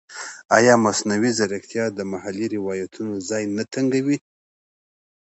ایا مصنوعي ځیرکتیا د محلي روایتونو ځای نه تنګوي؟